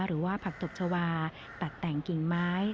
หรือว่าผักตบชาวาตัดแต่งกิ่งไม้